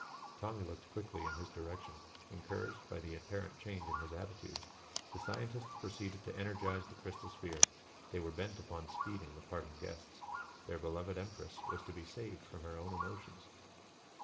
Tommy looked quickly in his direction, encouraged by the apparent change in his attitude. The scientists proceeded to energize the crystal sphere. They were bent upon speeding the parting guests. Their beloved empress was to be saved from her own emotions.